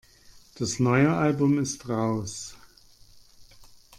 Das neue Album ist raus.